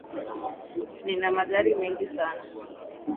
Nina magari mengi sana